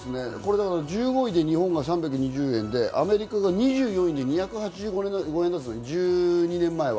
１５位で日本が３２０円、アメリカ２４位で２８５円だったのが１２年前。